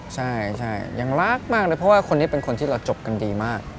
ใช่ยังรักมากเลยเพราะว่าคนนี้เป็นคนที่เราจบกันดีมาก